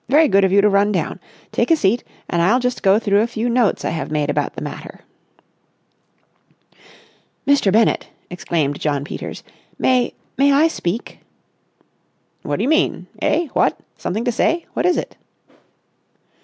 "Very good of you to run down. Take a seat, and I'll just go through the few notes I have made about the matter." "Mr. Bennett," exclaimed Jno. Peters. "May—may I speak?" "What do you mean? Eh? What? Something to say? What is it?"